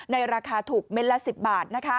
ราคาถูกเม็ดละ๑๐บาท